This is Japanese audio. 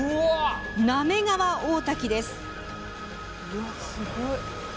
滑川大滝です。